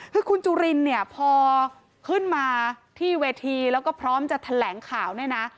คือคุณจุรินเนี่ยพอขึ้นมาที่เวทีแล้วก็พร้อมจะแถลงข่าวเนี่ยนะ